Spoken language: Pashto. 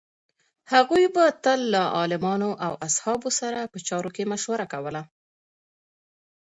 هغوی به تل له عالمانو او اصحابو سره په چارو کې مشوره کوله.